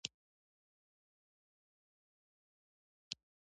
هغه د خپل واک د ټینګښت لپاره زبېښونکي بنسټونه جوړ کړل.